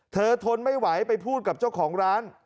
ทนไม่ไหวไปพูดกับเจ้าของร้าน